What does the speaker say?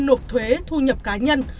nộp thuế thu nhập cá nhân